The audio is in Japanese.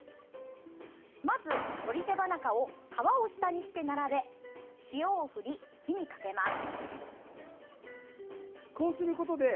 まず、鶏手羽中を皮を下にして並べ、塩を振り火にかけます。